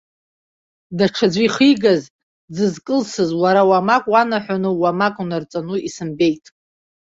Даҽаӡәы ихигаз, дзызкылсыз, уара уамак уанаҳәоны, уамак унарҵоны исымбеит.